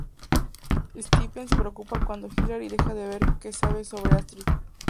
Stephen se preocupa cuando Hillary deja ver que sabe sobre Astrid.